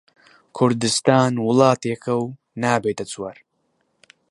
کوردستان وڵاتێکە و نابێتە چوار